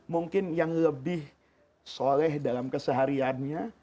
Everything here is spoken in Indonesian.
mungkin yang lebih soleh dalam kesehariannya